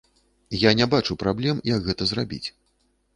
Я не бачу праблем, як гэта зрабіць.